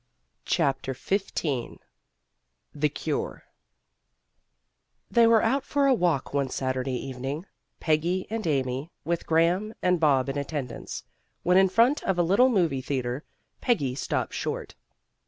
CHAPTER XV THE CURE THEY were out for a walk one Saturday evening, Peggy and Amy, with Graham and Bob in attendance, when in front of a little movie theater, Peggy stopped short.